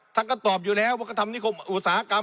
ท่านก็ตอบอยู่แล้วว่าก็ทำนิคมอุตสาหกรรม